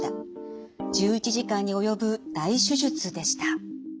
１１時間に及ぶ大手術でした。